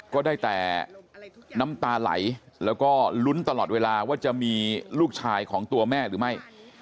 ก็ได้แต่น้ำตาไหลแล้วก็ลุ้นตลอดเวลาว่าจะมีลูกชายของตัวแม่หรือไม่